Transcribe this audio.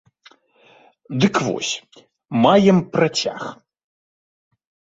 Дык вось, маем працяг.